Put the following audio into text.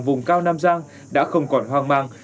vùng cao nam giang đã không còn hoang mang